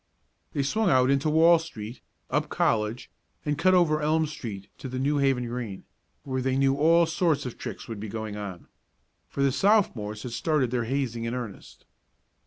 They swung out into Wall street, up College, and cut over Elm street to the New Haven Green, where they knew all sorts of tricks would be going on. For the Sophomores had started their hazing in earnest.